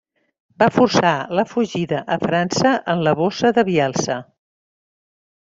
Va forçar la fugida a França en la Bossa de Bielsa.